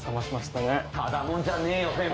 ただもんじゃねえよ。